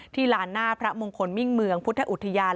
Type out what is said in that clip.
ลานหน้าพระมงคลมิ่งเมืองพุทธอุทยาน